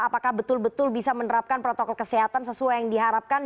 apakah betul betul bisa menerapkan protokol kesehatan sesuai yang diharapkan